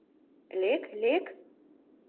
Лек, лек!